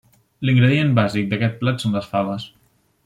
L'ingredient bàsic d'aquest plat són les faves.